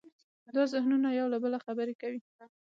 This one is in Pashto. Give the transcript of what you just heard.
دا ذهنونه یو له بله خبرې کوي.